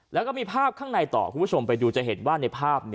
แล้วก็มีภาพข้างในต่อคุณผู้ชมไปดูจะเห็นว่าในภาพ